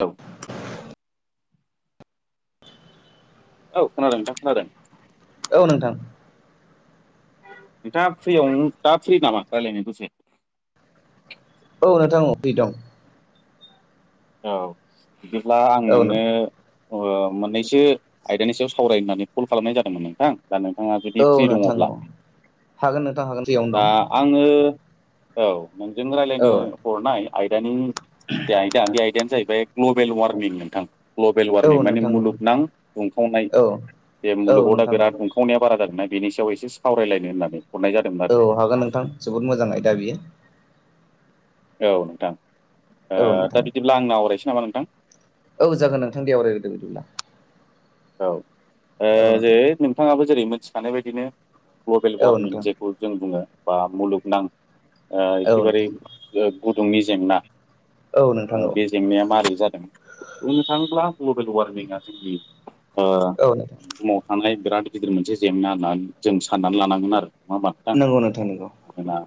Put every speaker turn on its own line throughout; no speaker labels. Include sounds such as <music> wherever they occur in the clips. औ। औ खोनादों नोंथां खोनादों।
औ नोंथां।
नोंथाङा फ्रियाव दा फ्रि नामा रायलायनो दसे?
औ नोंथां औ फ्रि दं।
औ बिदिब्ला आं
औ नों
नोंनो अ' मोननैसो आयदानि सायाव सावराय होननानै कल खालामनाय जादोंमोन नोंथां। दा नोंथाङा जुदि
औ
फ्रि
नोंथां
दङब्ला?
औ हागोन नोंथां हागोन फ्रियावनो दं
दा आङो औ नोंजों
औ
रायलायनो हरनाय आयदानि जाय यानो जाहैबाय ग्ल'बेल वार्मिं नोंथां ग्ल'बेल
औ
वार्मिं माने
नोंथां औ
मुलुगनां दुंखावनाय।
औ
जे
औ
मुलुगाव दा
नोंथां
बिराद
औ
दुंखावनाया बारा जादोंना। बेनि सायाव एसे सावरायलायनो होननानै। हरनाय जादोंमोन
औ
आरो
हागोन नोंथां जोबोद मोजां आयदा बियो।
औ नोंथां
औ
ओ
नोंथां
दा बिदिब्ला आंनो आवरायसै नामा नोंथां।
औ जागोन नोंथां दे आवरायग्रोदो बिदिब्ला।
औ ओ
औ
जे
नोंथां
नोंथाङाबो जेरै मोनथिखानाय बायदिनो ग्लबेल
औ
वारमिं
नोंथां
जेखौ जों बुङो बा मुलुगनां ओ
औ
एखेबारे
नोंथां
ओ गुदुंनि जेंना
औ नोंथां
ओ
औ
बे जेंनाया मारै जादों? बुंनो थाङोब्ला ग्लबेल वारमिंआ जोंनि ओ
औ नोंथां
बुहुमाव थानाय बिराद गिदिर मोनसे जेंना होननानै जों साननानै लानांगोन आरो। नङा होमबा
नंगौ नोंथां नंगौ।
मानोना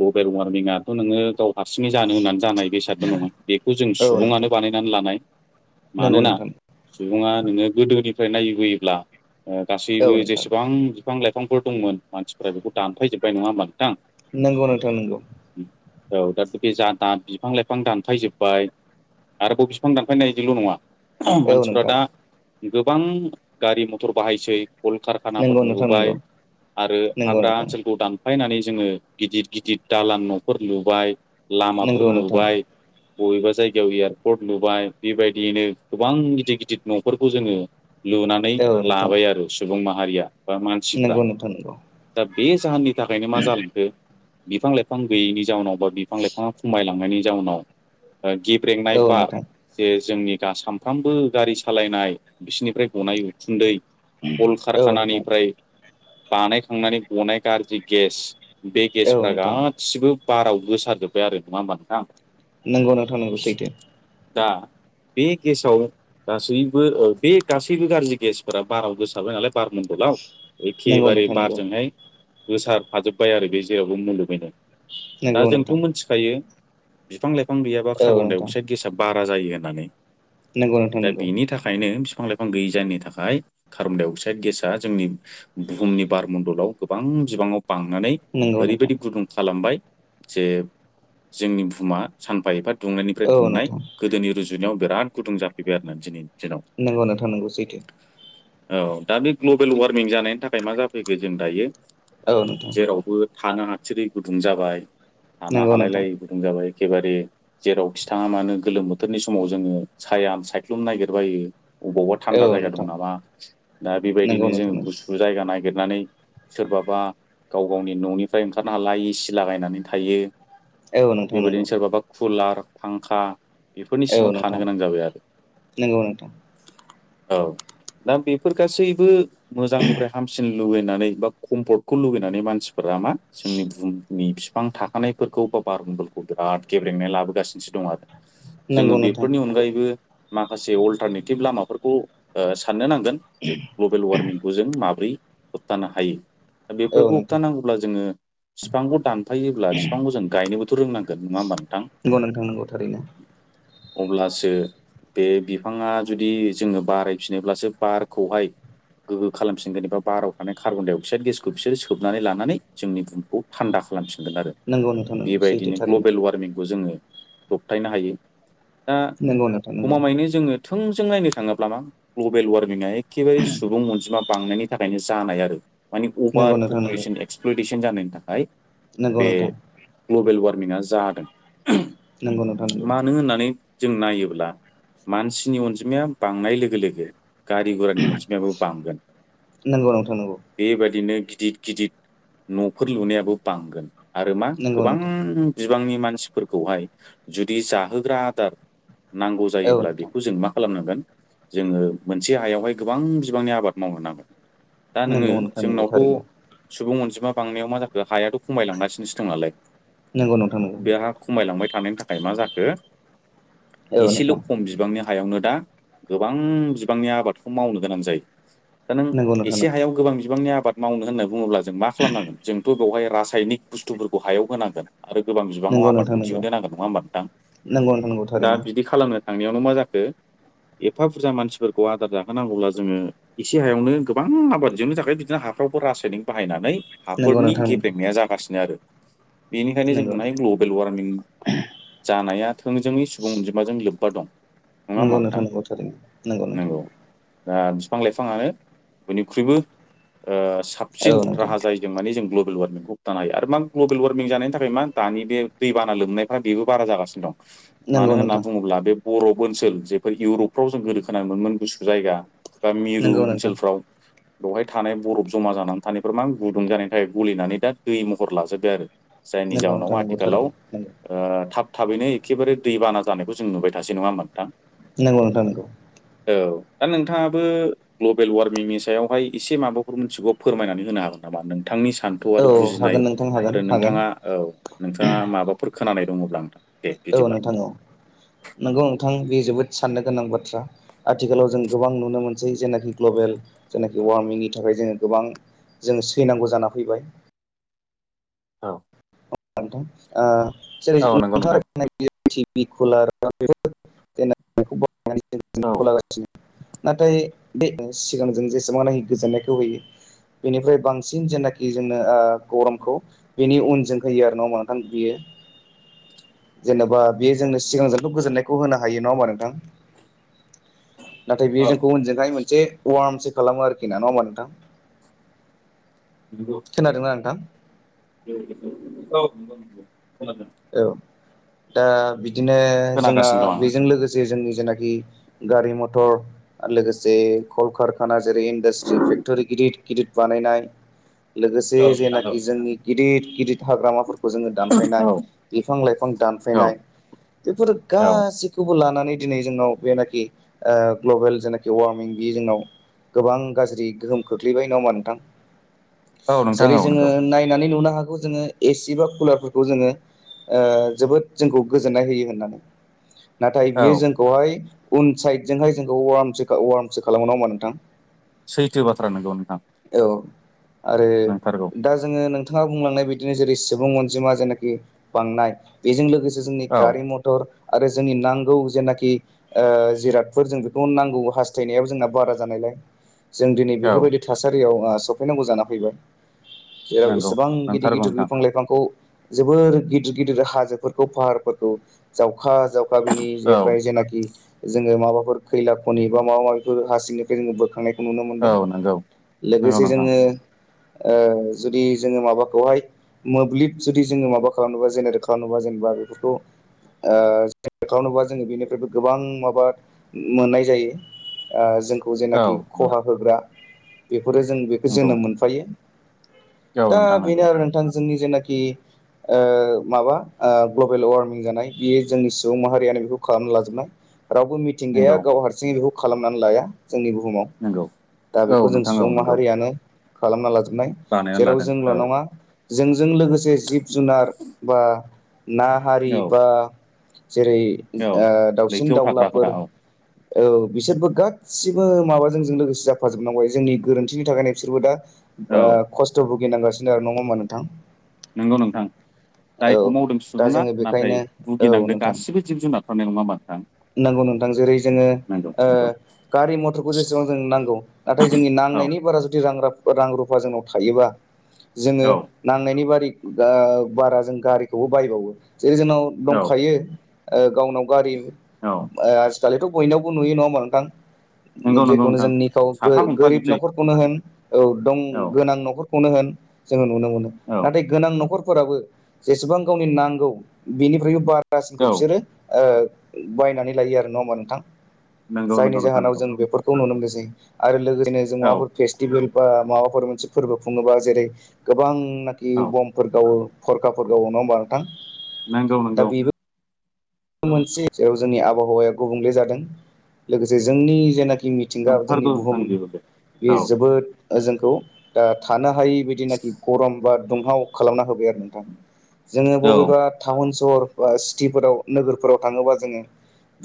ग्लबेल वारमिंआथ' नोङो गाव हारसिङै जानो होननानै जानाय बेसादबो नङा। बेखौ जों
औ नोंथां
सुबुङानो बानायनानै लानाय।
नंगौ
मानोना
नोंथां
सुबुङा नोङो गोदोनिफ्राय नायबोयोब्ला
औ
गासैबो
नोंथां
जेसेबां बिफां लाइफांफोर दंमोन। मानसिफोरा बेखौ दानफायजोबबाय नङा होमब्ला?
नंगौ नोंथां नंगौ।
औ दा बे जा दा बिफां लाइफां दानफायजोबबाय। आरोबाव बिफां दानफायनायजोंल' नङा।
औ
मानसिफ्रा
नोंथां
दा गोबां गारि मथर बाहायसै। कलकारखानाफोर
नंगौ नोंथां नंगौ
लुबाय आरो
नंगौ
हाग्रा
नोंथां
ओनसोलखौ दान फायनानै जोङो गिदिर गिदिर दालां न'फोर लुबाय लामाफोर
नंगौ नोंथां
लुबाय। बबेबा जायगायाव एयारपर्ट लुबाय। बेबायदियैनो गोबां गिदिर गिदिर न'फोरखौ जोङो लुनानै
औ नोंथां
लाबाय आरो सुबुं माहारिया बा मानसिफ्रा।
नंगौ नोंथां नंगौ
दा बे जाहोननि थाखायनो मा जालांखो बिफां लाइफां गैयैनि जाहोनाव बा बिफां लाइफाङा खमायलां नायनि जाउनाव ओ गिब्रेंनाय
औ
बार
नोंथां
जे जोंनि सानफ्रोमबो गारि सालायनाय बिसोरनिफ्राय गनाय उखुन्दै कल
औ नोंथां
कारखानानिफ्राय बानायखांनानै गनाय गाज्रि गेस बे
औ
गेसफ्रा
नोंथां
गासिबो बाराव गोसार जोबबाय आरो नङा होमबा नोंथां?
नंगौ नोंथां नंगौ सैथो
दा बे गेसाव गासैबो ओ बे गासैबो गाज्रि गेसफोरा बाराव गोसाबाय नालाय बारमन्दलाव
नंगौ
एखेबारे
नोंथां नंगौ
बारजोंहाय गोसार फाजोबाय आरो बे जेरावबो मुलुगैनो। दा
नंगौ
जोंथ'
नोंथां
मोनथिखायो? बिफां लाइफां गैयाबा
औ
कार्बन डाइ
नोंथां
अक्साइड गेसा बा रा जायो होननानै।
नंगौ नोंथां
दा
नंगौ
बिनि थाखायनो फि फां लाइफां गैयै जायनि थाखाय कार्बनडाइ अक्साइड गेसा जोंनि बुहुमनि बारमण्डलाव गोबां बिबाङाव बांनानै
नंगौ नोंथां
ओरैबायदि गुदुं खालामबाय। जे जोंनि बुहुमा सानफा एफा दुंनायनिफ्राय
औ
दुंनाय
नोंथां
गोदोनि रुजु जुनायाव बिराद गुदुं जाफैबाय आरोना दिनै।
नांगौ नोंथां नांगौ सैथो
औ दा बे ग्लबेल वार्मिं जानायनि थाखाय मा जाफैखो जों दायो
औ नोंथां
जेरावबो थानो हाथिरै गुदुं जाबाय थानो
नंगौ
हालाय
नोंथां
लायि गुदुं जाबाय एखेबारे जेराव खिथाङा मानो गोलोम बोथोरनि समाव जोङो साया सा साइख्लुमनो नागिरबायो अबावबा
औ
थान्दा जायगा दं
नोंथां
नामा दा
नंगौ
बेबायदिनो जोङो
नोंथां
गुसु जायगा नाय नागिरनानै सोरबाबा गाव गावनि न'निफ्राय ओंखारनो हाला एसि लागायनानै थायो
औ नोंथां नंगौ
बेबायदिनो सोरबाबा कुलार फांखा बेफोरनि सिङाव थानो गोनां जाबाय आरो
नोंगौ नोंथां
औ दा बेफोर गासैबो मोजांनिफ्राय हामसिन लगैनानै बा कम्फर्टखौ लुुबैनानै मानसिफोरा आ मा जोंनि बुहुमनि बिफां थाखानायफोरखौ बा बारमण्डलखौ बिराद गेब्रेंनाय लाबोगासिनोसो दं आरो जोङो
नंगौ नोंथां
बेफोरनि
नंगौ
अनगायैबो माखासे अल्टारनेटिभ लामाफोरखौ ओ साननो नां गोन जे ग्लबेल वार्मिंखौ जों माब्रै होबथानो हायो
औ
बेफोरखौ
नोंथां
होबथानांगौब्ला जोङो बिफांखौ दानफायोब्ला बिफांखौ जों गायनोबोथ' रोंनांगोन नङा होमबा नोंथां
औ थारैनो
अब्लासो बे बिफाङा जुदि जोङो बारायफिनोब्लासो बारखौहाय गोगो खालामफिनगोन एबा बाराव थानाय कार्बन डाइ अक्साइड गेसखौ बिसोरो सोबनानै लानानै जोंनि बहखौ थान्दा खालामफिन गोन आरो
नंगौ नोंथां नंगौ सैथो
बेबायदिनो
थारैनो
ग्लबेल वार्मिंखौ जोङो दबथायनो हायो दा
नोंगौनो
गमामायैनो जोङो थोंजों नायनो थाङोब्ला मा ग्लबेल वारमिंआ एखेबारे सुबुं अनजिमा बांनायनि थाखायनो जानाय आरो माने
नंगौ
अभार
नोंथां नंगौ
पपुलेसन एक्सप्लटेसन जानायनि थाखाय
नंगौ
बे
नोंथां
ग्लबेल वार्म मिना जादों
नंगौ नोंथां नांगौ
मानो होननानै जों नायोब्ला मानसिनि अनजिमाया बांनाय लोगो लोगो गारि गुरानि अनजिमायाबो बांगोन
नंगौ नोंथां नांगौ
गिदिद गिदिद न'फोर लुनायाबो बांगोन आरो मा
नंगौ
गोबां
नोंथां
बि बिबांनि मानसिफोरखौहाय जुदि जाहोग्रा आदार नांगौ
औ
जायोब्ला
नोंथां
बेखौ जों मा खालामनांगोन जोङो मोनसे हायावहाय गोबां बिबांनि आबाद मावनो नांगोन दा नोङो
नंगौ नोंथां नंगौ
जोंनावथ'
थारैनो
स सुबुं अनजिमा बांनायाव मा जाखो हायाथ' खमायलांगासिनोसो दं नालाय
नंगौ नोंथां नंगौ
बे हा खमायलांबाय था थानायनि थाखाय मा जाखो
औ
एसेल'
नोंथां
खम बिबांनि हायावनो दा गोबां बिबांनि आबादखौ मावनो गोनां जायो दा नों
नंगौ नोंथां नंगौ
एसे हायाव गोबां बिबांनि आबाद मावनो होनना बुङोब्ला जों मा खालामनांगोन जोंथ' बेवहाय रासायनिक बुस्थुफोरखौ हायाव होनांगोन आरो गोबां बिबाङाव
नंगौ नोंथां
आबादखौ
नंगौ
दिहुनद नांगोन नङा होमबा नोंथां
नंगौ नोंथां नंगौ
दा
थारैनो
बिदि खालामनो थांनायावनो मा जाखो एफा बुरजा मानसिफोरखौ आदार जाहोनांगौब्ला जोङो एसे हायावनो गोबां आबाद जनो थाखाय बिदिनो ह हाफ्रावबो रासायनिक बाहायनानै
नंगौ
हाफोरनि
नोंथां नंगौ
गेब्लेनाया जागासिनो आरो। बेनिखायनो जों बुंनो हायो ग्लबेल वारमिं जानाया थोंजोङै सुबुं अनजिमाजों लोब बादं
नंगौ नोंथां नंगौ थार नंगौ नोंथां।
बिफां लाइफाङानो बयनिख्रुइबो
औ
साबसिन
नोंथां
राहा जायो माने जों ग्लब ग्लबेल वार्मिंखौ होबथानो हायो आरो मा ग्लबेल वार्मिं जानायनि थाखाय मा दानि बे दैबाना लोमनाय्रा बे बारा जागासिनो दं
नंगौ
मानो होनना
नोंथां
बुङोब्ला बे बरफ ओनसोल जेफोर इउरपफ्राव जों गोदो खोनायोमोन गुसु जायगा बा मिरु
नंगौ नोंथां
ओनसोलफ्राव बेवहाय थानाय बरफ जमा जानानै थानायफोर मा गुदुं जानायनि थाखाय गलिनानै दा दै महर लाजोब्बाय आरो जायनि
नंगौ
जाहोनाव
नोंथां नंगौ थारैनो
आथिखालाव
नंगौ
थाब थाबैनो एखेबारे दैबाना जानायखौ जों नुबाय थासै नङा होनबा नोंथां
नोंगौ नोंथां नंगौ।
औ दा नोंथाङाबो ग्लबेल वारमिंनि सायावहाय एसे माबाफोर मिथिगौ फोरमायनानै होनो हागोन नामा नों नोंथांनि सान्थौ
औ
आरो बुजिनाय
हागोन नोंथां हागोन
आरो
हागोन
नोंथाङा औ नोंथाङा माबाफोरखौ खोनानाय दङब्ला नोंथां दे
औ
बिदिब्ला
नोंथां
नोंथाङा।
औ
<inaudible>
नंगौ नोंथां बे जोबोद साननो गोनां बाथ्रा आथिखालाव जों गोबां नुनो मोनसै जेनाखि ग्लबेल जेनाखि वार्मिंनि थाखाय जोङो गोबां जोङो सैनांगौ जाना फैबाय
औ।
जेरै
औ नंगौ
नोंथां आरो टिभि कुलार बेफोरनो
औ
नाथाय बे सिगांजों जेसेबांनाखि गोजोननायखौ होयो बेनिफ्राय बांसिन जेनाखि जोंनो गरमखौ बेनि उनजों होयो आरो नाबा नोंथां बियो जेन'बा बेयो जोंनो सिगांजोंथ' गोजोननाय होन हायो नङा हा नोंथ ना बे
औ
जोंखौहाय मोनसे खालामो आरोखि ना नाब नोंथां
नगौ
खोनादोंना नोंथां
औ नंगौ नंगौ
औ दा बिदिनो जोंना
खोनागासिनो दं आं
बेजों लोगोसे जोंनि जेख गारि मथर लोगोसे काल खार काना जेरै इन्डास्ट्रि फेक्टरि गिदिर गिदिर बानायनाय लोगोसे
औ नोंथां औ
जेनाखि जोंनि गिदिर गिदिर हाग्रामाफोरखौ जोङो
औ
दानफायनाय बिफां लाइफां
औ
दानफायनाय बेफोर
औ
गासैखौबो खौ लानानै दिनै जोंनाव बेनाखि ग्लबेल जेनाखि वारमिं बे जोंनाव गोबां गाज्रि गोहोम खोख्लैबाय ना होमा नोंथां
औ नोंथां
जेरै
औ
जोङो
नंगौ
नायनानै नुनो हागौ जोङो एसि बा कुलारफोरखौ जोङो जोबोद जोंखौ गोजोननाय होयो होननानै नाथाय
औ
बियो जोंखौहाय उन साइदजोंहाय जोंखौ व वार्मसो खालामो ना हामा नोंथां
सैथो बाथ्रा नोंगौ नोंथां
औ आरो
नंथारगौ
दा जोङो नोंथाङा बुंलांनाय बिदिनो जेरै सुबुं अनजिमा जेनाखि बांनाय बेजों लोगोसे जोंनि
औ
गारि मथर आरो जोंनि नांगौ जेनाखि जिरादफोर जों बेखौ नांगौ हास्थायनायाव जोंना बारा जानायलाय जों दिनै
औ
बेफोरबायदि थासारियाव सफैनांगौ जाना फैबाय जेराव
नंगौ
इसेबां गिदिर
नंथारगौ
गिदिर
नोंथां
बिफां लाइफांखौ जोबोर गिदिर गिदिर हाजोफोरखौ फाहारफोरखौ जाव अखा जावखा बेनि
औ
ज जे ज माबा फोर खैला खनि बा माबा माबिफोर हांखौ जो बोखांनाय नुनो मोनदों
औ नंगौ नंगौ
लोगोसे
नोंथां
जोङो ओ जुदि जोङो माबाखौहाय मोब्लिब जुदि जोङो माबाखौ खालामनोबा जेनेरेट खालामनोबा जेनेबा बेफोरखौ ओ खालामोबा जोङो बेनिफ्रायबो गोबां माबा मोननाय जायो। ओ जोंखौ
औ
जेनाखि
औ
खहा होग्रा फोरो जों बेखौ
नंगौ
जोंनो मोनफायो।
औ
दा
नोंथां
बेनो
नंगौ
आरो नोंथां जोंनि जेनाखि ओ माबा ओ ग्लबेल वार्मिं जानाय बेयो जोंनि सुबुं माहारियानो बेखौ खालामना लाजोबनाय। रावबो मिथिंगाया
नंगौ
गाव हारसिङै बिखौ खालामनानै लाया। जोंनि बुहुमाव
नंगौ
दा
औ
बेखौ जों
नोंथां औ
सुबुं
नंगौ
माहारियानो खालामना ला। नाय
बानायनानै
जेराव
लादों
जोंल'
औ
नङा जोंजों लोगोसे जिब जुनार बा ना हारि
औ
बा जेरै
औ
ओ दाउसिन
लैथोआव
दाउलाफोर
थाग्राफोरा औ
औ बिसोरबो गासिबो माबाजोंजों लोगोसे जाफाजोबनांबाय जोंनि गोरोन्थिनि थाखायनो बिसोरबो दा
औ
ओ खस्थ' भुगिनांगासिनो आरो नङा होमबा नोंथां?
नंगौ नोंथां।
औ
जायखौ मावदों
दा
सुबुङा
जोङो बेखायनो
नाथाय
औ
भुगिनांदों गासिबो जिब जुनारफ्रानो नङा होमबा नोंथां?
नांगौ नोंथां जेरै जोङो
नंगौ नंगौ
गारि ओ मथरखौ जेसेबां जों नांगौ नाथाय जोंनि
औ
नांनाय नांनायनि बारा रां रुफा जोंनाव थायोबा जोङो
औ
नांनायनि बारि आ बारा जों गारिखौबो बायबावो जेरै जोंनाव
औ
दंखायो ओ गावनाव गारि
औ
ओ आजिखालिथ' बयनावबो नुयो नङा होमबा नोंथां?
नंगौ नंगौ
जेखुनु
नोंथां
जोंनिखौ
साफा
गोरिब
गंफाजोबसै
नख'रखौनो होन औ दं
औ
गोनां नख'रखौ खौनो होन जोङो नुनो मोनो
औ
नाथाय गोनां नख'र फोराबो जेसेबां गावनि नांगौ बिनिफ्रायबो बारासिनखौ
औ
बिसोरो ओ बायनानै लायो आरो नङा होमबा नोंथां
नंगौ
जायनि
नंगौ नोंथां
जाहोनाव
नंगौ
जों बेफोरखौ नुनो मोनसै। आरो लोगोसेनो जों
औ
माबाफोर फेसटेभेल बा माबाफोर मोनसे फोरबो खुङोबा जेरै गोबांनाखि
औ
बमफोर फरखाफोर गावो नङा होमबा नोंथां?
नोंगौ
दा
नोंगौ।
बेबो मोनसे जोंनि आबहावाया गुबुंले जादों लोगोसे जोंनि जेनाखि मिथिंगा जोंनि
नंथारगौ नोंथां
बुहुम
बेबो बे
बे
औ
जोबोद ओ जोंखौ दा थानो हा जिनाखि गरम बा दुंहाव खालामना होबाय आरो नोंथां जोङो
औ
बबेबा टाउन सहर बा सिटिफोराव नोगोरफोराव थाङोबा जोङो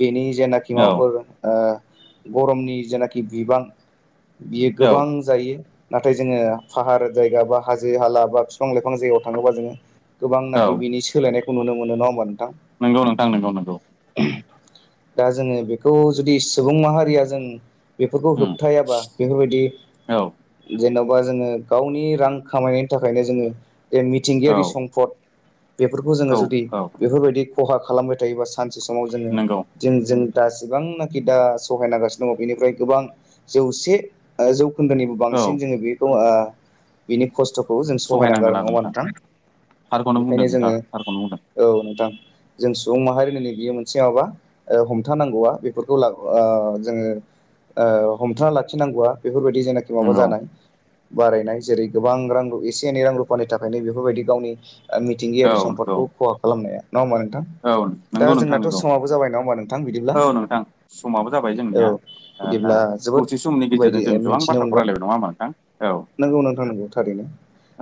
बेनि जेनाखि
औ
माबाफोर गरमनि जेनाखि बिबां बियो
औ
गोबां जायो। नाथाय जोङो फाहार जायगा बा हाजो हाला बा बिफां लाइफां जायगायाव थाङोबा जोङो गोबांनाखि बिनि सोलायनायखौ नुनो मोनो नङा होमबा?
नोंगौ नोंथां नोंगौ नोंगौ।
दा जोङो बेखौ जुदि सुबुं माहारिया जों बेफोरखौ
उम
होबथायाबा बेफोरबायदि
औ
जेन'बा जोङो गावनि रां खामायनायनि थाखायनो जोङो बे
औ
मिथिंगायारि सम्पद बेफोरखौ जोङो
औ
जुदि
औ
बेफोरबायदि खहा खालामबाय थायोबा। सानसे समाव जोङो
नंगौ
जों जों। दासिबांनाखि दा सहाय नांगासिनो दङ बेनिफ्राय गोबां जौसे जौ। उखोन्दोनिबो
औ
बांसिन जोङो बेखौ आ बिनि खस्थ' खौ जों सहायनांगौ आरो नङा होमबा नोंथां
थारखौनो बुंदों
बेखायनो
नोंथां
जोङो
थारखौनो बुंदों
औ नोंथां। जों सुबुं माहारिनि नैबेयो बियो मोनसे माबा हमथानांगौवा बेफोरखौ ला ओ जोङो। ओ हमथाना लाखिनांगौवा बेफोरबायदि जेनाखि माबा
नंगौ
जानाय बारायनाय जेरै गोबां रां रु एसे एनै रां रुफानि थाखायनो बेफोरबायदि गावनि
औ
मिथिंगायारि
नंगौ
सम्पदखौ खहा खालामनाया नङा होमबा नोंथां?
औ
दा
नंगौ नोंथां
जोंनाथ'
नंगौ
समाबो जाबाय नङा होमबा नोंथां बिदिब्ला
औ नोंथां समाबो जाबाय
औ
जोंनिया
बिदिब्ला
ओ
जोबोद
दसे समनि
बायदि
गेजेरजों जों गोबां
मिथिनो
बाथ्राखौ रायलायबाय
मोनबाय।
नङा होमबा नोंथां औ
नंगौ नोंथां नंगौ थारैनो।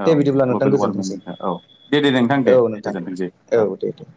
औ
दे बिदिब्ला नोंथां
ग्लबेल वार्मिं
गोजोनथोंसै
औ दे दे नोंथां
औ
दे
नोंथां
गोजोनथोंसै
औ दे दे